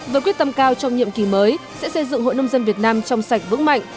với quyết tâm cao trong nhiệm kỳ mới sẽ xây dựng hội nông dân việt nam trong sạch vững mạnh